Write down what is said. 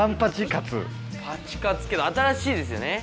パチカツけど新しいですよね